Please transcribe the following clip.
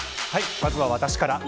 まずは私から。